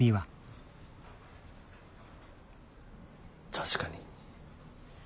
確かに。